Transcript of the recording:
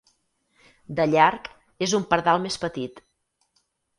De llarg, és un pardal més petit.